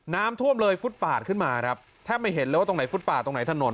น้ำท่วมเลยฟุตปาดขึ้นมาครับแทบไม่เห็นเลยว่าตรงไหนฟุตป่าตรงไหนถนน